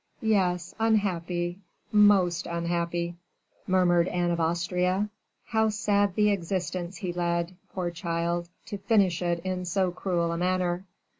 "Yes, unhappy, most unhappy!" murmured Anne of Austria; "how sad the existence he led, poor child, to finish it in so cruel a manner."